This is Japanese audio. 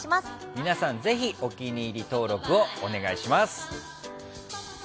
皆さん、ぜひお気に入り登録をお願いします。